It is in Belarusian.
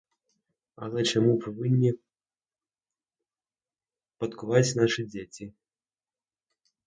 Але чаму павінны пакутаваць нашы дзеці?